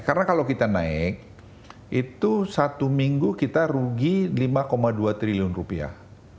karena kalau kita naik itu satu minggu kita rugi lima dua triliun rupiah